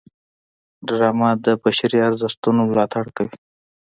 ډرامه د بشري ارزښتونو ملاتړ کوي